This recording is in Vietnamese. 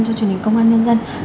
cho truyền hình công an nhân dân